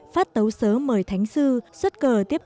phát tấu sớ mời thánh sư xuất cờ tiếp